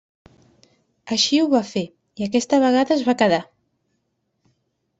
Així ho va fer, i aquesta vegada es va quedar.